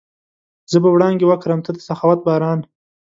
زه به وړانګې وکرم، ته د سخاوت باران